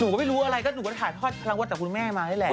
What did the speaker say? หนูก็ไม่รู้อะไรก็ถ่ายทอดพลังวัตรจากคุณแม่มาได้แหละ